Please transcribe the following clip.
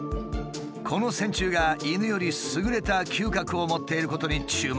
この線虫が犬より優れた嗅覚を持っていることに注目。